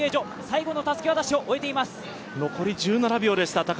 残り１７秒でした。